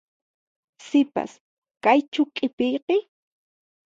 Sipas, kaychu q'ipiyki?